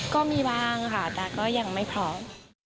ก็มีบ้างค่ะแต่ก็ยังไม่พร้อม